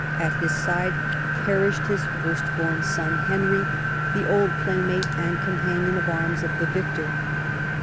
At his side perished his first born son Henry, the old playmate and companion of arms of the victor.